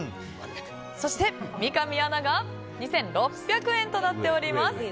そして三上アナが２６００円となっております。